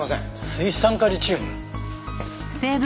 水酸化リチウム。